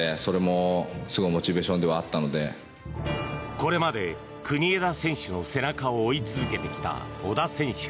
これまで国枝選手の背中を追い続けてきた小田選手。